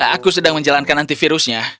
aku sedang menjalankan antivirusnya